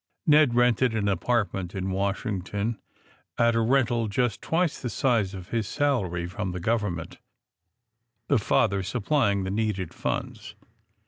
Ned rented an apartment in Washington at a rental just twice the size of his salary from the government, the father supplying the needed funds.